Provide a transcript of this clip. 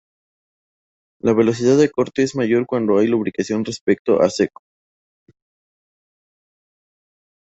La velocidad de corte es mayor cuando hay lubricación respecto a "seco".